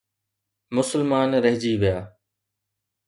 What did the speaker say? مسلمان رهجي ويا.